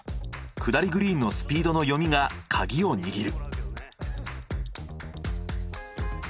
下りグリーンのスピードの読みがカギを握る。